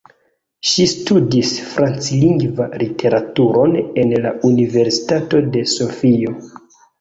Ŝi studis Franclingva literaturon en la Universitato de Sofio.